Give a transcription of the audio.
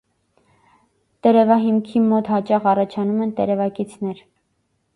Տերևահիմքի մոտ հաճախ առաջանում են տերևակիցներ։